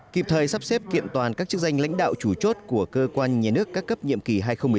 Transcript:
kịp thời sắp xếp kiện toàn các chức danh lãnh đạo chủ chốt của cơ quan nhà nước các cấp nhiệm kỳ hai nghìn hai mươi hai nghìn hai mươi năm